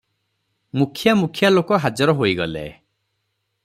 ମୁଖ୍ୟା ମୁଖ୍ୟା ଲୋକ ହାଜର ହୋଇଗଲେ ।